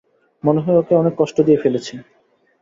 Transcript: মনে হয় ওকে অনেক কষ্ট দিয়ে ফেলেছি।